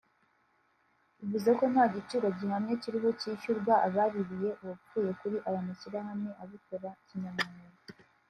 bivuzeko nta giciro gihamye kiriho cyishyurwa abaririye uwapfuye kuri aya mashyirahamwe abikora kinyamwuga